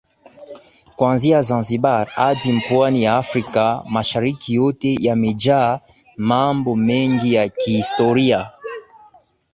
kuanzia Zanzibar hadi pwani ya Afrka Mashariki yote yamejaa mmbo mengi ya kihistoria